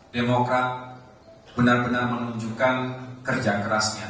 demokrat benar benar menunjukkan kerja kerasnya